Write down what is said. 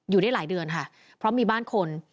อยู่ได้หลายเดือนค่ะเพราะมีบ้านคน